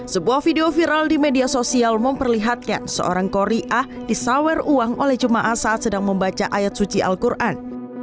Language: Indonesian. sebuah video viral di media sosial memperlihatkan seorang koriah disawer uang oleh jemaah saat sedang membaca ayat suci al quran